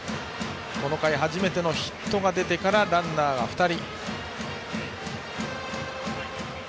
この回初めてのヒットが出てからランナーが２人。